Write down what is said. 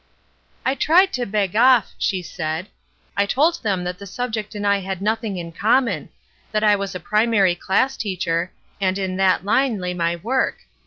"I tried to beg off," she said; "I told them that the subject and I had nothing in common; that I was a primary class teacher, and in that line lay my work.